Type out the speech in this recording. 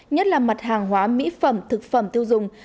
nhất là mặt hàng hóa mỹ phẩm thực phẩm tiêu dùng